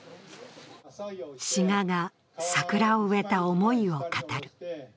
志賀が桜を植えた思いを語る。